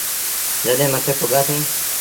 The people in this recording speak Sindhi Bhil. جڏهيݩ مٿي پُڳآسيٚݩ۔